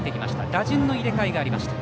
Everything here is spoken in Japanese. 打順の入れ替えがありました。